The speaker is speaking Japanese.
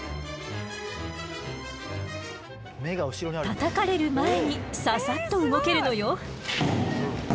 たたかれる前にササッと動けるのよ。